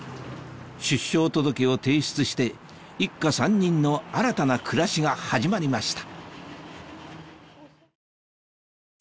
出生届を提出して一家３人の新たな暮らしが始まりました